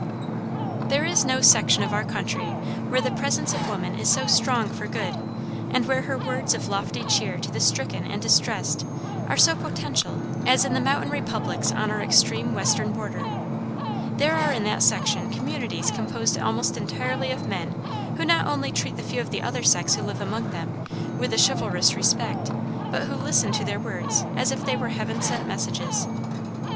There is no section of our country where the presence of woman is so strong for good, and where her words of lofty cheer to the stricken and distressed are so potential as in the mountain republics on our extreme western border. There are in that section communities composed almost entirely of men who not only treat the few of the other sex who live among them, with a chivalrous respect, but who listen to their words as if they were heaven sent messages.